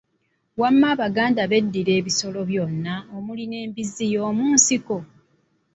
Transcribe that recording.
Wamma Abaganda b'eddira ebisolo byonna omuli n'embizzi y'omunsiko?